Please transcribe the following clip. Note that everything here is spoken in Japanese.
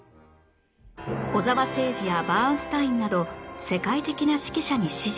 小澤征爾やバーンスタインなど世界的な指揮者に師事